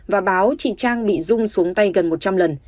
và báo chị trang bị rung xuống tay gần một trăm linh lần